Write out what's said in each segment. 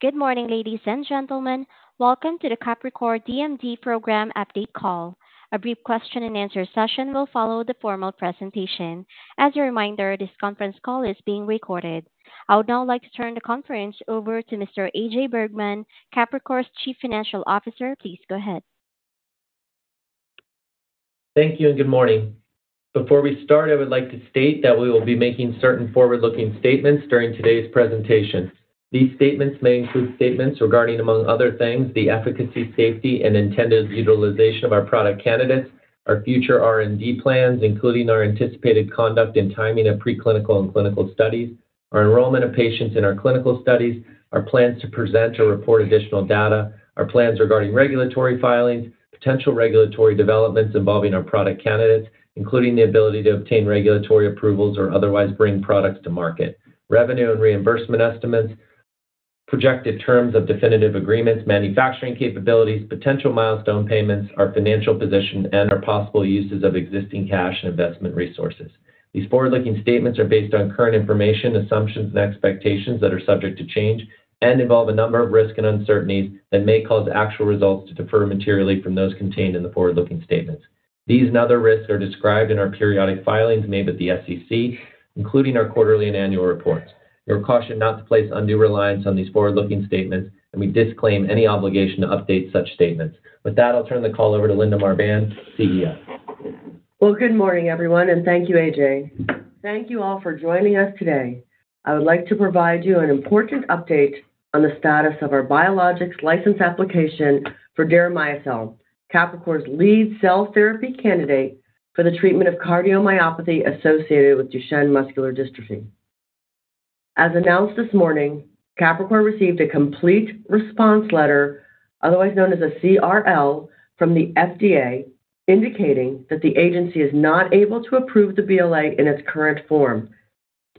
Good morning, ladies and gentlemen. Welcome to the Capricor DMD program update call. A brief question and answer session will follow the formal presentation. As a reminder, this conference call is being recorded. I would now like to turn the conference over to Mr. A.J. Bergmann, Capricor's Chief Financial Officer. Please go ahead. Thank you and good morning. Before we start, I would like to state that we will be making certain forward looking statements during today's presentation. These statements may include statements regarding, among other things, the efficacy, safety and intended utilization of our product candidates, our future R&D plans, including our anticipated conduct and timing of preclinical and clinical studies, our enrollment of patients in our clinical studies, our plans to present or report additional data, our plans regarding regulatory filings, potential regulatory developments involving our product candidates, including the ability to obtain regulatory approvals or otherwise bring products to market, revenue and reimbursement estimates, projected terms of definitive agreements, manufacturing capabilities, potential milestone payments, our financial position and our possible uses of existing cash and investment resources. These forward looking statements are based on current information, assumptions and expectations that are subject to change and involve a number of risks and uncertainties that may cause actual results to differ materially from those contained in the forward looking statements. These and other risks are described in our periodic filings made with the SEC, including our quarterly and annual reports. You're cautioned not to place undue reliance on these forward looking statements and we disclaim any obligation to update such statements. With that, I'll turn the call over to Linda Marbán, CEO. Good morning everyone and thank you, A.J., thank you all for joining us today. I would like to provide you an important update on the status of our Biologics License Application for Deramiocel, Capricor's lead cell therapy candidate for the treatment of cardiomyopathy associated with Duchenne Muscular Dystrophy. As announced this morning, Capricor received a Complete Response Letter, otherwise known as a CRL, from the FDA, indicating that the agency is not able to approve the BLA in its current form,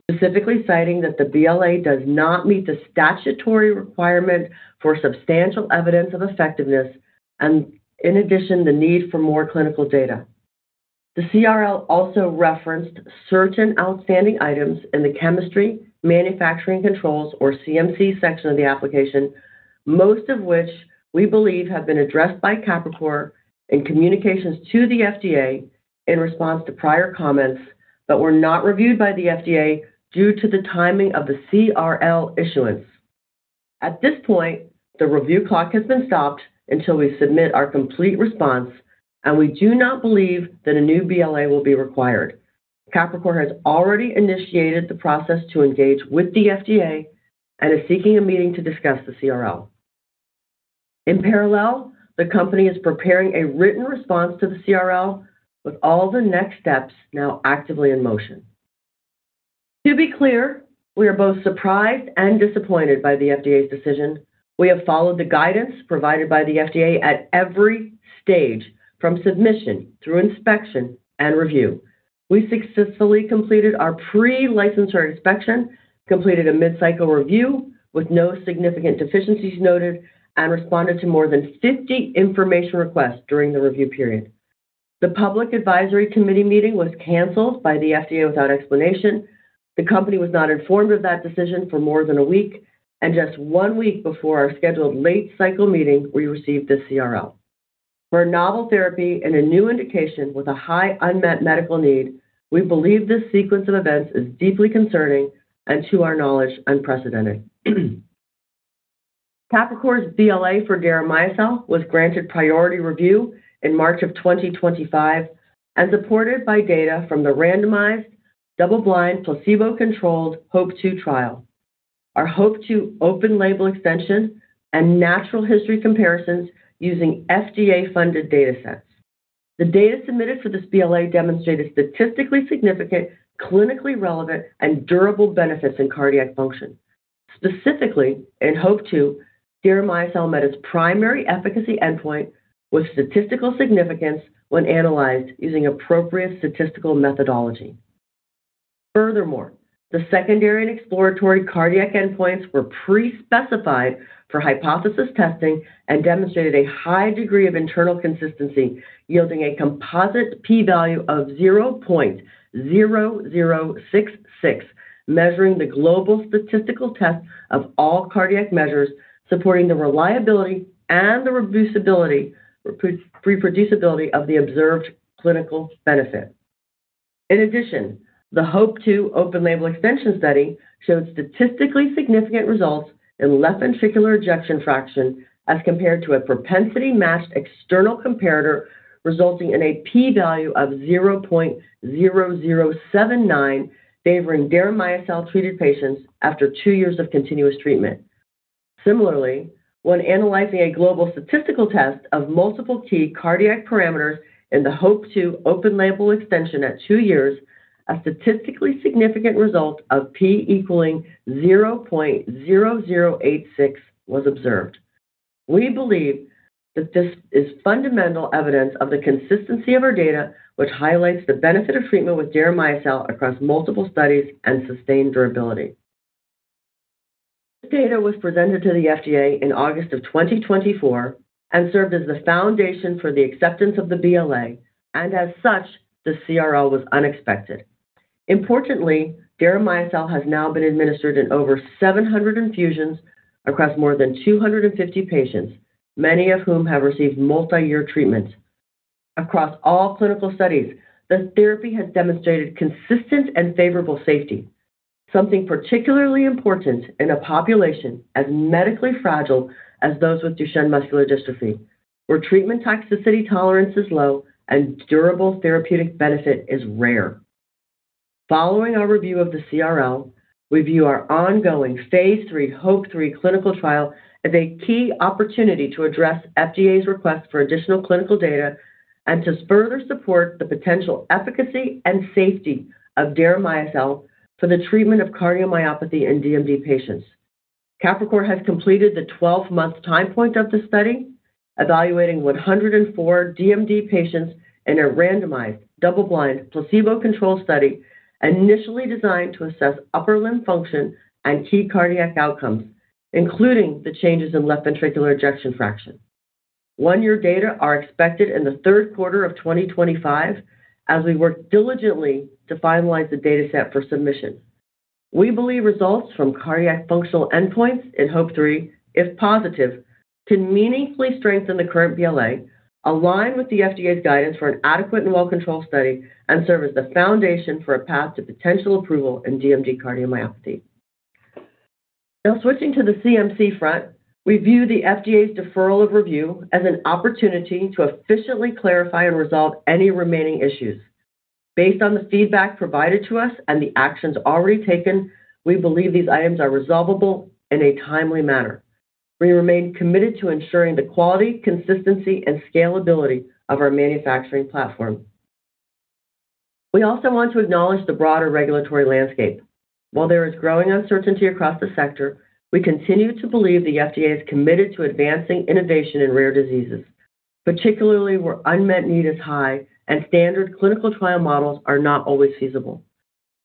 specifically citing that the BLA does not meet the statutory requirement for substantial evidence of effectiveness and, in addition, the need for more clinical data. The CRL also referenced certain outstanding items in the Chemistry, Manufacturing, and Controls or CMC section of the application, most of which we believe have been addressed by Capricor in communications to the FDA in response to prior comments, but were not reviewed by the FDA due to the timing of the CRL issuance. At this point, the review clock has been stopped until we submit our complete response and we do not believe that a new BLA will be required. Capricor has already initiated the process to engage with the FDA and is seeking a meeting to discuss the CRL. In parallel, the company is preparing a written response to the CRL with all the next steps now actively in motion. To be clear, we are both surprised and disappointed by the FDA's decision. We have followed the guidance provided by the FDA at every stage from submission through inspection and review. We successfully completed our pre-licensure inspection, completed a mid-cycle review with no significant deficiencies noted, and responded to more than 50 information requests. During the review period, the public advisory committee meeting was canceled by the FDA without explanation. The company was not informed of that decision for more than a week and just one week before our scheduled late-cycle meeting we received the CRL for novel therapy and a new indication with a high unmet medical need. We believe this sequence of events is deeply concerning and, to our knowledge, unprecedented. Capricor's BLA for Deramiocel was granted priority review in March of 2025 and supported by data from the randomized, double-blind, placebo-controlled HOPE-2 Trial, our HOPE-2 Open-Label Extension, and natural history comparisons using FDA-funded data sets. The data submitted for this BLA demonstrated statistically significant, clinically relevant, and durable benefits in cardiac function. Specifically, in HOPE-2, Deramiocel met its primary efficacy endpoint with statistical significance when analyzed using appropriate statistical methodology. Furthermore, the secondary and exploratory cardiac endpoints were prespecified for hypothesis testing and demonstrated a high degree of internal consistency, yielding a composite p value of 0.0066 measuring the global statistical test of all cardiac measures, supporting the reliability and the reproducibility of the observed clinical benefit. In addition, the HOPE-2 Open-label Extension study showed statistically significant results in left ventricular ejection fraction as compared to a propensity-matched external comparator, resulting in a p value of 0.0079 favoring Deramiocel-treated patients after 2 years of continuous treatment. Similarly, when analyzing a global statistical test of multiple key cardiac parameters in the HOPE-2 Open-label Extension at 2 years, a statistically significant result of p equaling 0.0086 was observed. We believe that this is fundamental evidence of the consistency of our data, which highlights the benefit of treatment with Deramiocel across multiple studies and sustained durability. This data was presented to the FDA in August of 2024 and served as the foundation for the acceptance of the BLA, and as such, the CRL was unexpected. Importantly, Deramiocel has now been administered in over 700 infusions across more than 250 patients, many of whom have received multi-year treatments. Across all clinical studies, the therapy has demonstrated consistent and favorable safety, something particularly important in a population as medically fragile as those with Duchenne Muscular Dystrophy, where treatment toxicity tolerance is low and durable therapeutic benefit is rare. Following our review of the CRL, we view our ongoing Phase 3 HOPE-3 clinical trial as a key opportunity to address FDA's request for additional clinical data and to further support the potential efficacy and safety of Deramiocel for the treatment of cardiomyopathy in DMD patients. Capricor has completed the 12-month time point of the study evaluating 104 DMD patients in a randomized, double-blind, placebo-controlled study initially designed to assess upper limb function and key cardiac outcomes, including the changes in left ventricular ejection fraction. One year data are expected in the third quarter of 2025 as we work diligently to finalize the data set for submission. We believe results from cardiac functional endpoints in HOPE-3, if positive, can meaningfully strengthen the current BLA, align with the FDA's guidance for an adequate and well controlled study, and serve as the foundation for a path to potential approval in DMD cardiomyopathy. Now switching to the CMC front, we view the FDA's deferral of review as an opportunity to efficiently clarify and resolve any remaining issues. Based on the feedback provided to us and the actions already taken, we believe these items are resolvable in a timely manner. We remain committed to ensuring the quality, consistency, and scalability of our manufacturing platform. We also want to acknowledge the broader regulatory landscape. While there is growing uncertainty across the sector, we continue to believe the FDA is committed to advancing innovation in rare diseases, particularly where unmet need is high and standard clinical trial models are not always feasible.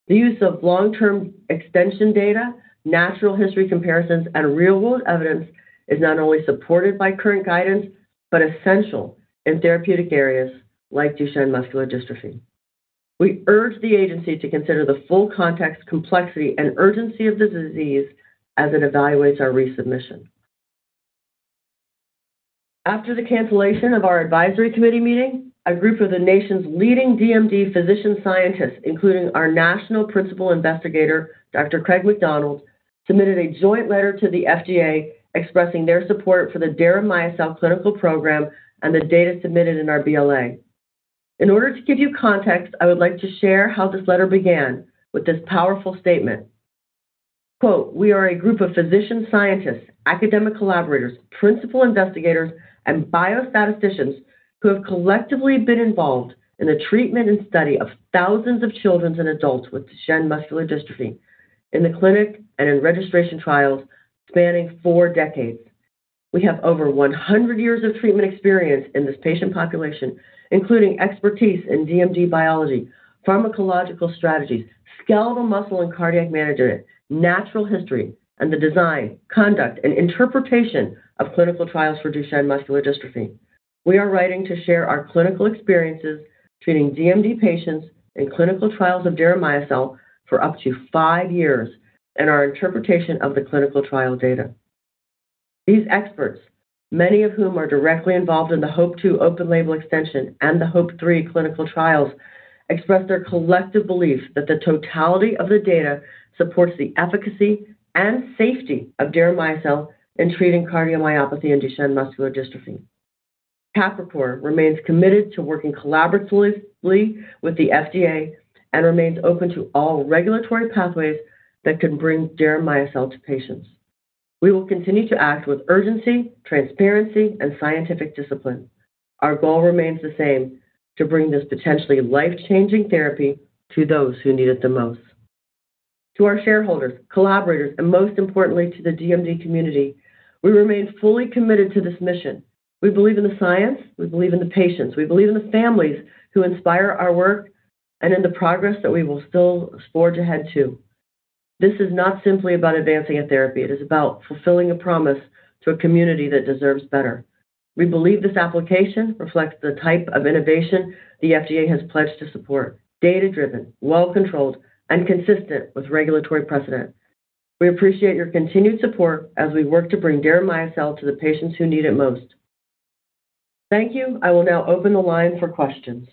The use of long term extension data, natural history comparisons, and real world evidence is not only supported by current guidance but essential in therapeutic areas like Duchenne Muscular Dystrophy. We urge the agency to consider the full context, complexity, and urgency of the disease as it evaluates our resubmission. After the cancellation of our advisory committee meeting, a group of the nation's leading DMD physician scientists, including our National Principal Investigator Dr. Craig McDonald, submitted a joint letter to the FDA expressing their support for the Deramiocel clinical program and the data submitted in our BLA. In order to give you context, I would like to share how this letter began. With this powerful statement. We are a group of physicians, scientists, academic collaborators, principal investigators, and biostatisticians who have collectively been involved in the treatment and study of thousands of children and adults with Duchenne Muscular Dystrophy in the clinic and in registration trials spanning four decades. We have over 100 years of treatment experience in this patient population, including expertise in DMD biology, pharmacological strategies, skeletal muscle and cardiac management, natural history, and the design, conduct, and interpretation of clinical trials for Duchenne Muscular Dystrophy. We are writing to share our clinical experiences treating DMD patients in clinical trials of Deramiocel for up to five years and our interpretation of the clinical trial data. These experts, many of whom are directly involved in the HOPE-2 Open-label Extension and the HOPE-3 clinical trials, express their collective belief that the totality of the data supports the efficacy and safety of Deramiocel in treating cardiomyopathy and Duchenne Muscular Dystrophy. Capricor remains committed to working collaboratively with the FDA and remains open to all regulatory pathways that can bring Deramiocel to patients. We will continue to act with urgency, transparency, and scientific discipline. Our goal remains the same, to bring this potentially life-changing therapy to those who need it the most. To our shareholders, collaborators, and most importantly, to the DMD community, we remain fully committed to this mission. We believe in the science, we believe in the patients, we believe in the families who inspire our work, and in the progress that we will still forge ahead to. This is not simply about advancing a therapy, it is about fulfilling a promise to a community that deserves better. We believe this application reflects the type of innovation the FDA has pledged to support. Data-driven, well-controlled, and consistent with regulatory precedent. We appreciate your continued support as we work to bring Deramiocel to the patients who need it most. Thank you. I will now open the line for questions.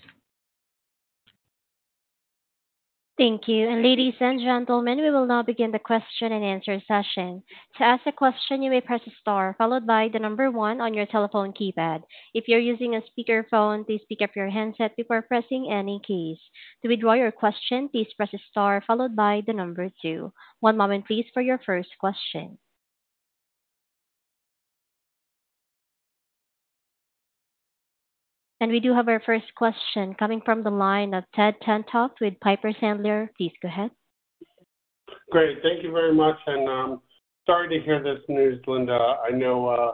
Thank you. Ladies and gentlemen, we will now begin the question and answer session. To ask a question, you may press star followed by the number one on your telephone keypad. If you're using a speakerphone, please pick up your handset before pressing any keys. To withdraw your question, please press star followed by the number two. One moment please for your first question. We do have our first question coming from the line of Ed Tenthoff with Piper Sandler. Please go ahead. Great. Thank you very much and sorry to hear this news, Linda. I know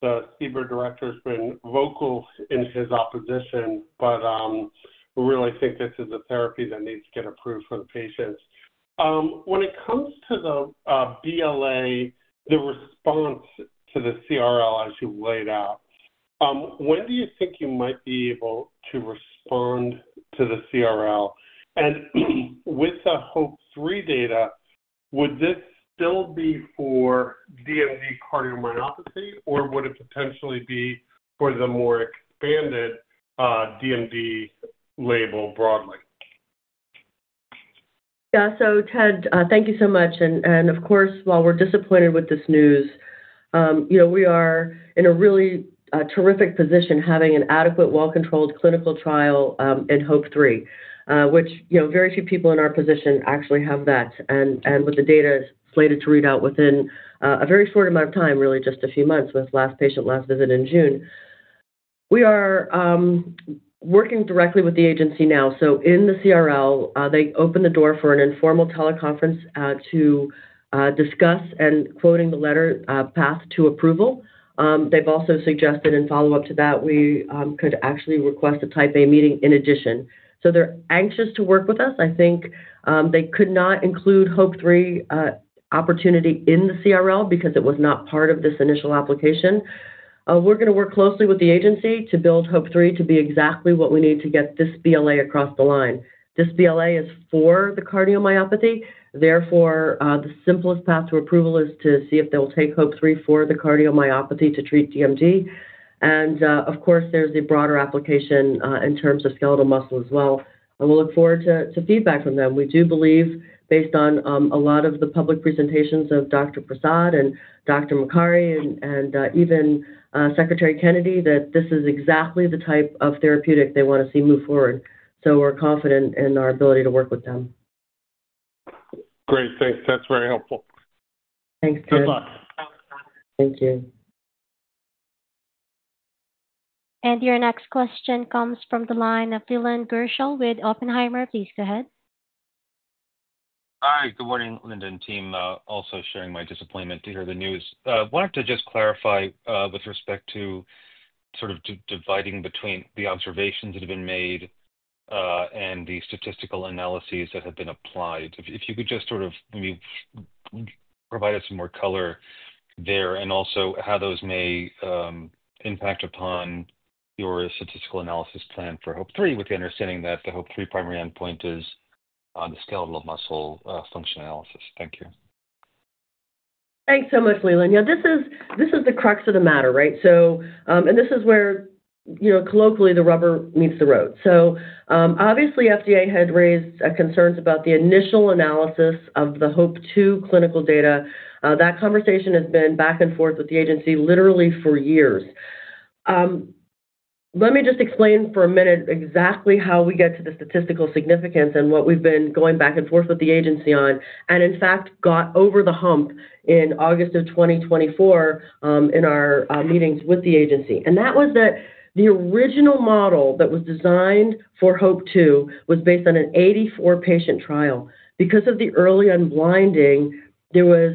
the CBER director has been vocal in his opposition, but we really think this is a therapy that needs to get approved for the patients. When it comes to the BLA, the response to the CRL as you laid out, when do you think you might be able to respond to the CRL? With the HOPE-3 data, would this still be for DMD cardiomyopathy or would it potentially be for the more expanded DMD label broadly? Yeah. Ted, thank you so much. Of course, while we're disappointed with this news, we are in a really terrific position having an adequate, well-controlled clinical trial in HOPE-3, which very few people in our position actually have. With the data slated to read out within a very short amount of time, really just a few months with last patient, last visit in June, we are working directly with the agency now. In the Complete Response Letter, they opened the door for an informal teleconference to discuss, and quoting the letter, path to approval. They've also suggested in follow-up to that we could actually request a Type A meeting in addition. They're anxious to work with us. I think they could not include HOPE-3 opportunity in the CLR because it was not part of this initial application. We're going to work closely with the agency to build HOPE-3 to be exactly what we need to get this BLA across the line. This BLA is for the cardiomyopathy. Therefore, the simplest path to approval is to see if they will take HOPE-3 for the cardiomyopathy to treat DMD. Of course, there's a broader application in terms of skeletal muscle as well, and we'll look forward to feedback from them. We do believe that based on a lot of the public presentations of Dr. Prasad and Dr. Makari and even Secretary Kennedy, this is exactly the type of therapeutic they want to see move forward. We're confident in our ability to work with them. Great, thanks. That's very helpful. Thanks. Good luck. Thank you. Your next question comes from the line of Leland Gershell with Oppenheimer. Please go ahead. Hi, good morning. Linda and team, also sharing my disappointment to hear the news. Wanted to just clarify with respect to dividing between the observations that have been made and the statistical analyses that have been applied. If you could just provide us some more color there and also how those may impact upon your statistical analysis plan for HOPE-3 with the understanding that the HOPE-3 primary endpoint is the skeletal muscle function analysis. Thank you. Thanks so much, Leland. This is the crux of the matter, right? This is where, you know, colloquially the rubber meets the road. Obviously, FDA had raised concerns about the initial analysis of the HOPE-2 clinical data. That conversation has been back and forth with the agency literally for years. Let me just explain for a minute exactly how we get to the statistical significance and what we've been going back and forth with the agency on and in fact got over the hump in August of 2024 in our meetings with the agency. That was that the original model that was designed for HOPE-2 was based on an 84 patient trial. Because of the early unblinding, there was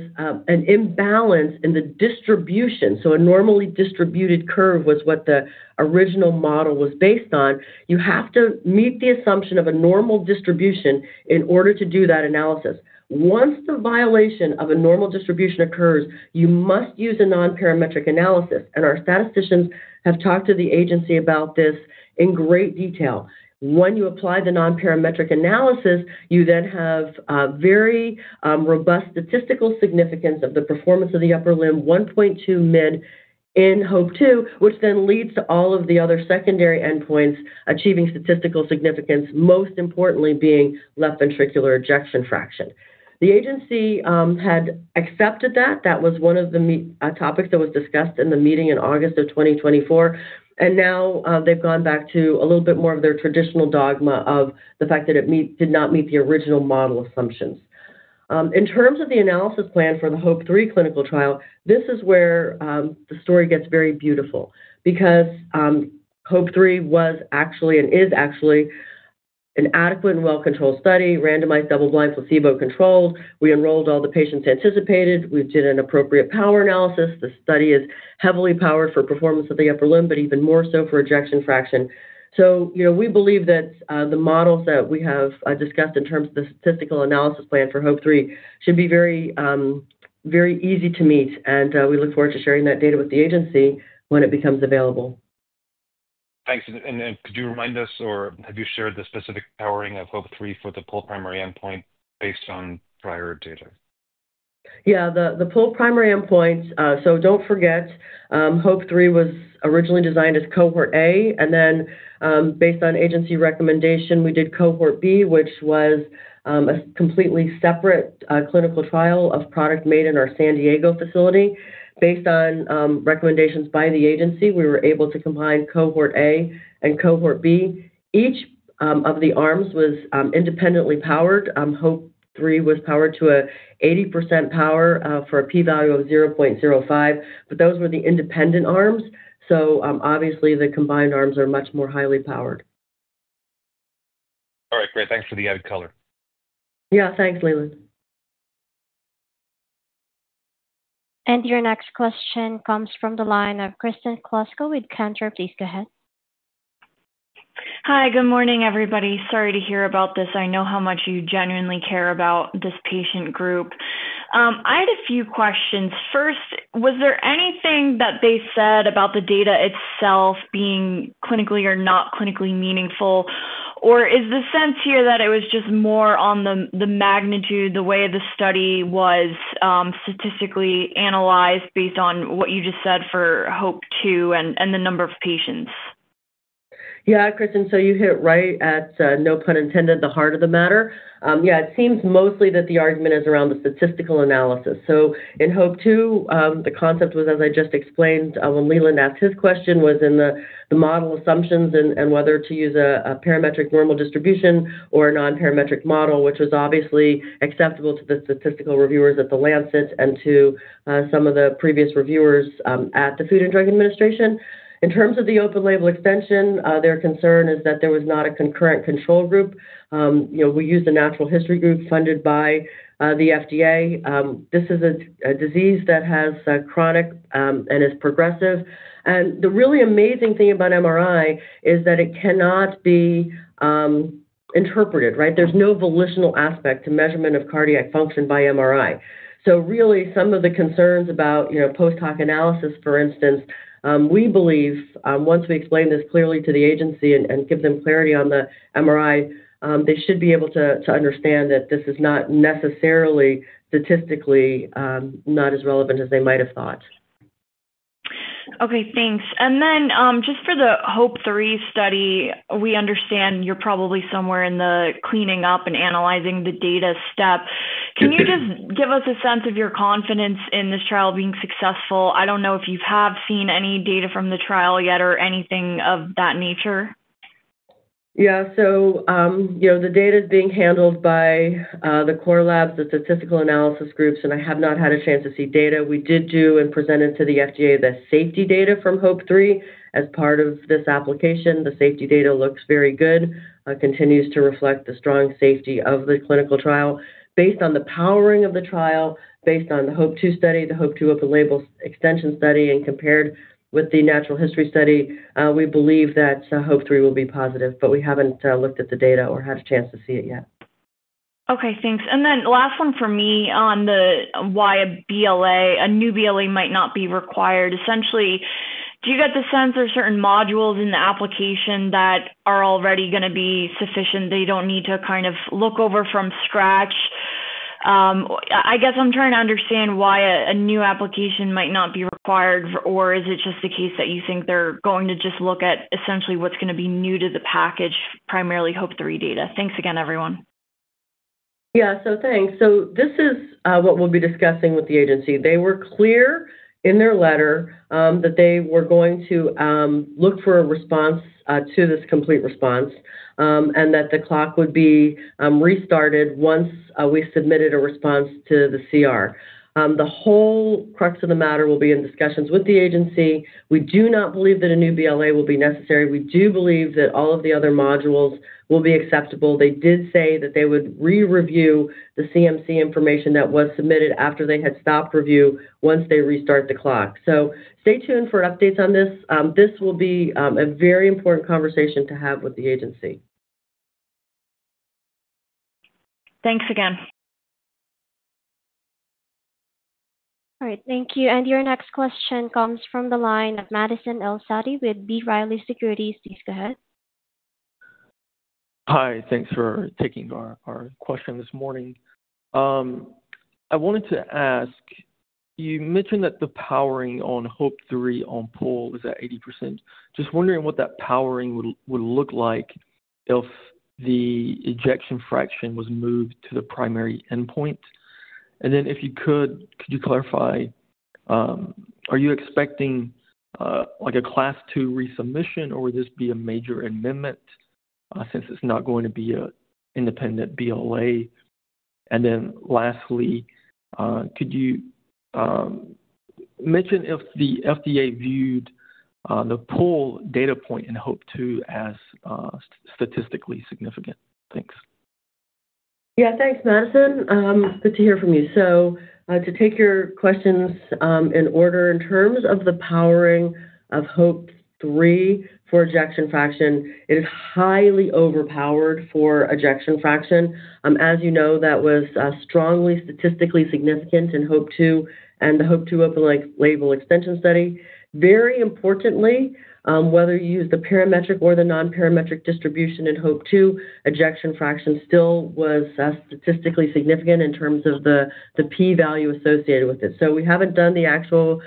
an imbalance in the distribution. A normally distributed curve was what the original model was based on. You have to meet the assumption of a normal distribution in order to do that analysis. Once the violation of a normal distribution occurs, you must use a nonparametric analysis. Our statisticians have talked to the agency about this in great detail. When you apply the nonparametric analysis, you then have very robust statistical significance of the performance of the upper limb 1.2 mid in HOPE-2, which then leads to all of the other secondary endpoints achieving statistical significance, most importantly being left ventricular ejection fraction. The agency had accepted that. That was one of the topics that was discussed in the meeting in August of 2024, and now they've gone back to a little bit more of their traditional dogma of the fact that it did not meet the original model assumptions in terms of the analysis plan for the HOPE-3 clinical trial. This is where the story gets very beautiful because HOPE-3 was actually and is actually an adequate and well controlled study. Randomized, double-blind, placebo-controlled. We enrolled all the patients anticipated. We did an appropriate power analysis. The study is heavily powered for performance of the upper limb, but even more so for ejection fraction. We believe that the models that we have discussed in terms of the statistical analysis plan for HOPE-3 should be very easy to meet. We look forward to sharing that data with the agency when it becomes available. Thanks. Could you remind us or have you shared the specific powering of HOPE-3 for the primary endpoint based on prior data? Yeah, the pulp primary endpoints. Don't forget, HOPE-3 was originally designed as Cohort A. Based on Agency recommendation, we did Cohort B, which was a completely separate clinical trial of product made in our San Diego facility. Based on recommendations by the Agency, we were able to combine Cohort A and Cohort B. Each of the arms was independently powered. HOPE-3 was powered to a 80% power for a P value of 0.05. Those were the independent arms. Obviously, the combined arms are much more highly powered. All right, great. Thanks for the added color. Yeah, thanks, Leland. Your next question comes from the line of Kristen Kluska with Cantor. Please go ahead. Hi. Good morning, everybody. Sorry to hear about this. I know how much you genuinely care about this patient group. I had a few questions. First, was there anything that they said about the data itself being clinically or not clinically meaningful, or is the sense here that it was just more on the magnitude, the way the study was statistically analyzed based on what you just said for HOPE-2 and the number of patients? Yeah, Kristen, you hit right at, no pun intended, the heart of the matter. It seems mostly that the argument is around the statistical analysis. In HOPE-2, the concept was, as I just explained when Leland asked his question, in the model assumptions and whether to use a parametric normal distribution or a nonparametric model, which was obviously acceptable to the statistical reviewers at The Lancet and to some of the previous reviewers at the Food and Drug Administration. In terms of the open-label extension, their concern is that there was not a concurrent control group. We use the natural history group funded by the FDA. This is a disease that is chronic and is progressive. The really amazing thing about MRI is that it cannot be interpreted right. There's no volitional aspect to measurement of cardiac function by MRI. Some of the concerns about post hoc analysis, for instance, we believe once we explain this clearly to the agency and give them clarity on the MRI, they should be able to understand that this is not necessarily statistically not as relevant as they might have thought. Okay, thanks. For the HOPE-3 study, we understand you're probably somewhere in the cleaning up and analyzing the data step. Can you just give us a sense of your confidence in this trial being successful? I don't know if you have seen any data from the trial yet or anything of that nature. Yeah. The data is being handled by the core labs, the statistical analysis groups. I have not had a chance to see data. We did do and presented to the FDA the safety data from HOPE-3 as part of this application. The safety data looks very good, continues to reflect the strong safety of the clinical trial based on the powering of the trial based on the HOPE-2 study, the HOPE-2 Open-label Extension study, and compared to with the natural history study. We believe that HOPE-3 will be positive, but we haven't looked at the data or had a chance to see it yet. Okay, thanks. Last one for me on why a BLA, a new BLA might not be required essentially. Do you get the sense there are? Certain modules in the application that are already going to be sufficient? They don't need to kind of look over from scratch? I guess I'm trying to understand why a new application might not be required. Is it just the case that you think they're going to just look at essentially what's going to be new to the package, primarily HOPE-3 data? Thanks again everyone. Yeah, thanks. This is what we'll be discussing with the agency. They were clear in their letter that they were going to look for a response to this Complete Response and that the clock would be restarted once we submitted a response to the CR. The whole crux of the matter will be in discussions with the agency. We do not believe that a new BLA will be necessary. We do believe that all of the other modules will be acceptable. They did say that they would re-review the CMC information that was submitted after they had stopped review once they restart the clock. Stay tuned for updates on this. This will be a very important conversation to have with the agency. Thanks again. Thank you. Your next question comes from the line of Madison El-Saadi with B. Riley Securities. Please go ahead. Hi. Thanks for taking our question this morning. I wanted to ask, you mentioned that the powering on HOPE-3 on pull is at 80%. Just wondering what that powering would look like if the ejection fraction was moved to the primary endpoint. If you could, could you clarify, are you expecting like a Class 2 resubmission or would this be a major amendment since it's not going to be an independent BLA? Lastly, could you mention if the FDA viewed the pull data point in HOPE-2 as statistically significant? Thanks. Yeah, thanks Madison. Good to hear from you. To take your questions in order, in terms of the powering of HOPE-3 for ejection fraction, it is highly overpowered. For ejection fraction, as you know, that was strongly statistically significant. In HOPE-2 and the HOPE-2 open like label extension study, very importantly, whether you use the parametric or the non-parametric distribution in HOPE-2, ejection fraction still was statistically significant in terms of the p value associated with it. We haven't done the actual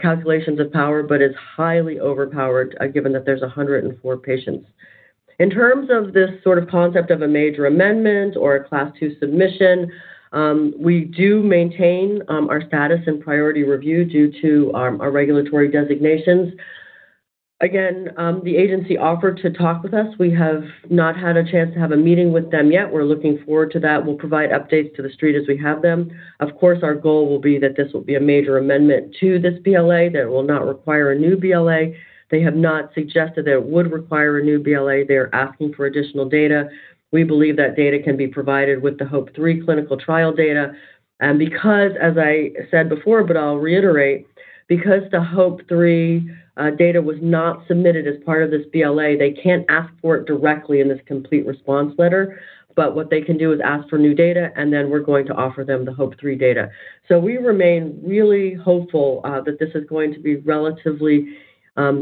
calculations of power, but it's highly overpowered given that there's 104 patients. In terms of this sort of concept of a major amendment or a Class 2 submission, we do maintain our status and priority review due to our regulatory designations. The agency offered to talk with us. We have not had a chance to have a meeting with them yet. We're looking forward to that. We'll provide updates to the street as we have them. Of course, our goal will be that this will be a major amendment to this BLA that will not require a new BLA. They have not suggested that it would require a new BLA. They are asking for additional data. We believe that data can be provided with the HOPE-3 clinical trial data and, as I said before, but I'll reiterate, because the HOPE-3 data was not submitted as part of this BLA, they can't ask for it directly in this Complete Response Letter. What they can do is ask for new data and then we're going to offer them the HOPE-3 data. We remain really hopeful that this is going to be relatively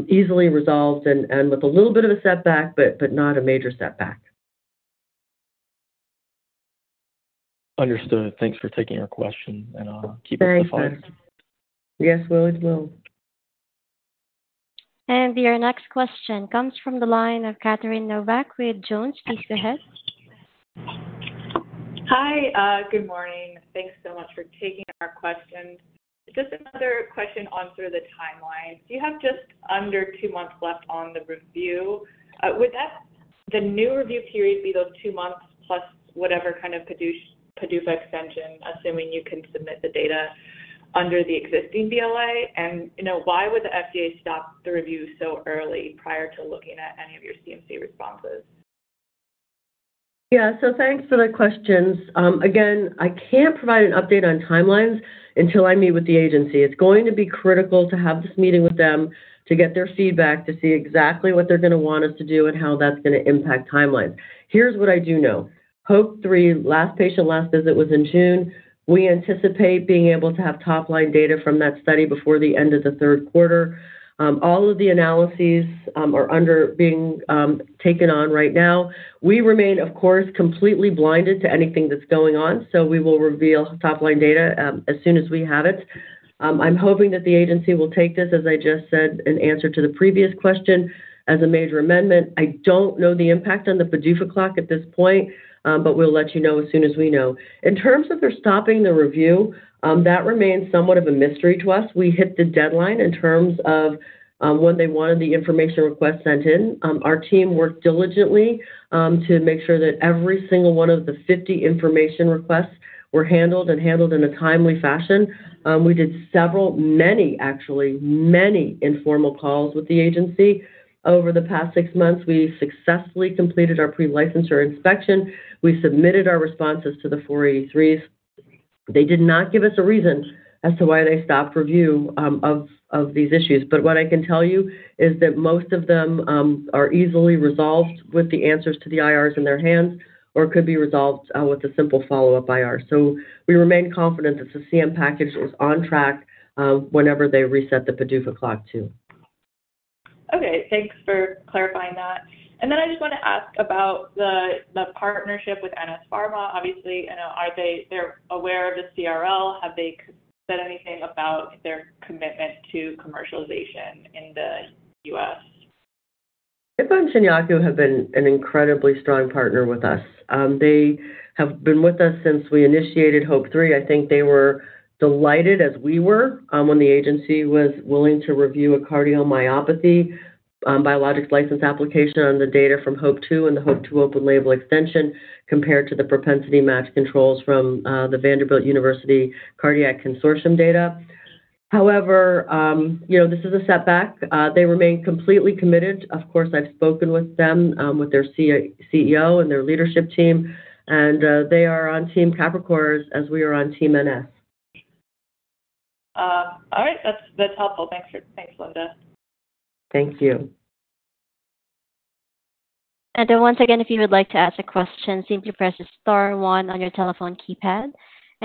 easily resolved and with a little bit of a setback, but not a major setback. Understood. Thanks for taking your question and I'll keep it. Yes, it will. Your next question comes from the line of Catherine Novack with Jones. Please go ahead. Hi, good morning. Thanks so much for taking our questions. Just another question on through the timeline. You have just under two months left on the review. Would that, the new review period, be those two months plus whatever kind of PDUFA extension, assuming you can submit the data under the existing BLA? Why would the FDA stop the review so early prior to looking at any of your CMC responses? Yeah. Thanks for the questions. Again, I can't provide an update on timelines until I meet with the agency. It's going to be critical to have this meeting with them to get their feedback, to see exactly what they're going to want us to do and how that's going to impact timelines. Here's what I do know. HOPE-3 last patient, last visit was in June. We anticipate being able to have top-line data from that study before the end of the third quarter. All of the analyses are being undertaken right now. We remain, of course, completely blinded to anything that's going on. We will reveal top-line data as soon as we have it. I'm hoping that the agency will take this, as I just said in answer to the previous question, as a major amendment. I don't know the impact on the PDUFA clock at this point, but we'll let you know as soon as we know. In terms of their stopping the review, that remains somewhat of a mystery to us. We hit the deadline in terms of when they wanted the information request sent in. Our team worked diligently to make sure that every single one of the 50 information requests were handled and handled in a timely fashion. We did several, actually many, informal calls with the agency over the past six months. We successfully completed our pre-licensure inspection. We submitted our responses to the 483s. They did not give us a reason as to why they stopped review of these issues. What I can tell you is that most of them are easily resolved with the answers to the IRs in their hands or could be resolved with a simple follow-up IR. We remain confident that the CM package is on track whenever they reset the PDUFA clock too. Okay, thanks for clarifying that. I just want to ask about the partnership with NS Pharma. Obviously they're aware of the CRL. Have they said anything about their commitment to commercialization in the U.S.? Even Shinyaku have been an incredibly strong partner with us. They have been with us since we initiated HOPE-3. I think they were delighted, as we were when the agency was willing to review a cardiomyopathy Biologics License Application on the data from HOPE-2 and the HOPE-2 Open-label Extension compared to the propensity match controls from the Vanderbilt University Cardiac Consortium data. However, this is a setback. They remain completely committed. Of course, I've spoken with them, with their CEO and their leadership team, and they are on Team Capricor as we are on Team NS. All right, that's helpful. Thanks, Linda. Thank you. If you would like to ask a question, simply press star one on your telephone keypad.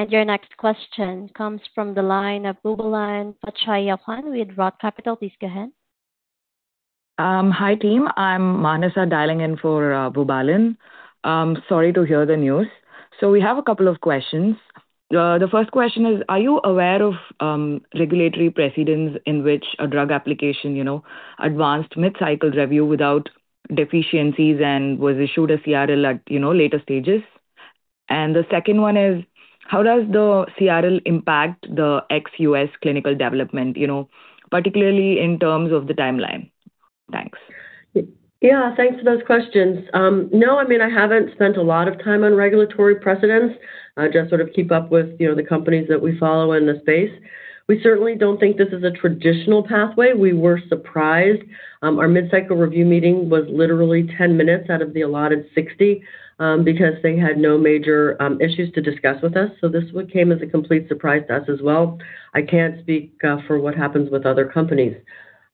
Your next question comes from the line of Boobalan Pachaiyappan with Roth Capital. Please go ahead. Hi team, I'm Maanasa, dialing in for Boobalan. Sorry to hear the news. We have a couple of questions. The first question is are you aware of regulatory precedence in which a drug application, you know, advanced mid cycle review without deficiencies and was issued a CRL at, you know, later stages? The second one is how does the CRL impact the ex U.S. clinical development, you know, particularly in terms of the timeline. Thanks. Yeah, thanks for those questions. No, I mean, I haven't spent a lot of time on regulatory precedents. I just sort of keep up with, you know, the companies that we follow in the space. We certainly don't think this is a traditional pathway. We were surprised. Our mid cycle review meeting was literally 10 minutes out of the allotted 60 because they had no major issues to discuss with us. This came as a complete surprise. To us as well. I can't speak for what happens with other companies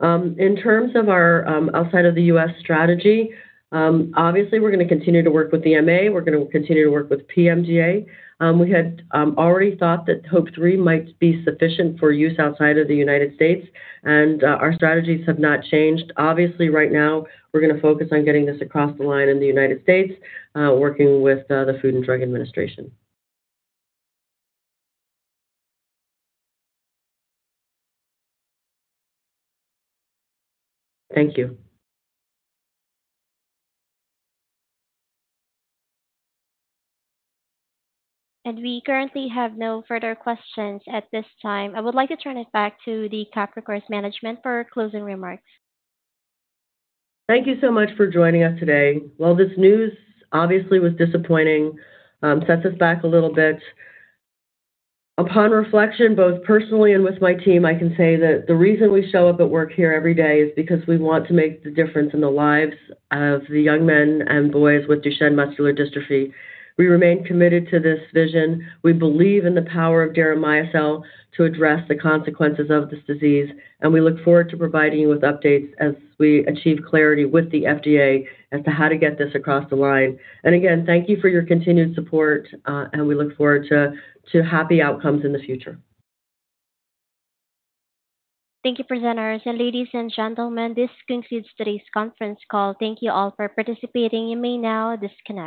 in terms of our outside of the U.S. strategy. Obviously, we're going to continue to work with the MA. We're going to continue to work with PMDA. We had already thought that HOPE-3 might be sufficient for use outside of the United States, and our strategies have not changed. Obviously, right now we're going to focus on getting this across the line in the United States, working with the Food and Drug Administration. Thank you. We currently have no further questions at this time. I would like to turn it back to the Capricor management for closing remarks. Thank you so much for joining us today. While this news obviously was disappointing, sets us back a little bit, upon reflection, both personally and with my team, I can say that the reason we show up at work here every day is because we want to make the difference in the lives of the young men and boys with Duchenne Muscular Dystrophy. We remain committed to this vision. We believe in the power of Deramiocel to address the consequences of this disease, and we look forward to providing you with updates as we achieve clarity with the FDA as to how to get this across the line. Thank you for your continued support and we look forward to happy outcomes in the future. Thank you, presenters and ladies and gentlemen. This concludes today's conference call. Thank you all for participating. You may now disconnect.